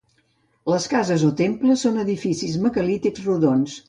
Les cases o temples són edificis megalítics rodons.